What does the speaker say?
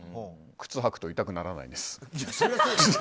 靴を履くと痛くならないです。